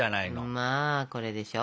まあこれでしょ